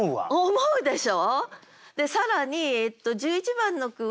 思うでしょ！